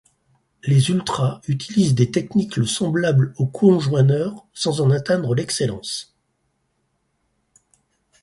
Les Ultras utilisent des techniques semblables aux Conjoineurs, sans en atteindre l’excellence.